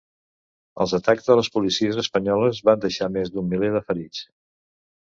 Els atacs de les policies espanyoles van deixar més d’un miler de ferits.